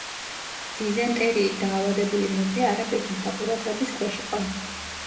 დიზენტერიით დაავადებული მეფე არაბ ექიმთა ყურადღების ქვეშ იყო.